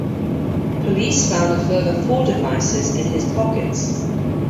Police found a further four devices in his pockets.